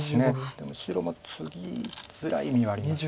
でも白もツギづらい意味はあります。